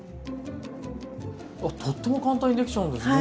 とっても簡単にできちゃうんですね！